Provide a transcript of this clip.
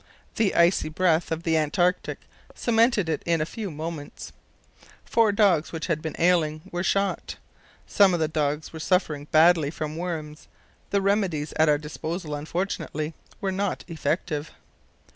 The icy breath of the Antarctic cemented it in a few moments. Four dogs which had been ailing were shot. Some of the dogs were suffering badly from worms, and the remedies at our disposal, unfortunately, were not effective.